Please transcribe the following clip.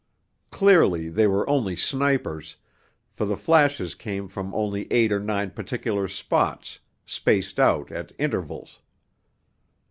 Clearly they were only snipers, for the flashes came from only eight or nine particular spots, spaced out at intervals.